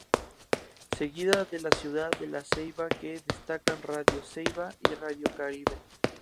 Seguida de la ciudad de La Ceiba que destacan Radio Ceiba y Radio Caribe.